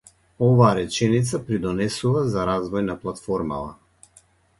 Оваа реченица придонесува за развој на платформава.